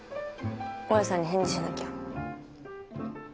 大家さんに返事しなきゃ。